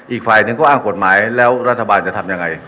อีกฝ่ายหนึ่งก็อ้างกฎหมายแล้วรัฐบาลจะทำยังไง